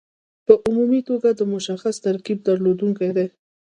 په عمومي توګه د مشخص ترکیب درلودونکي دي.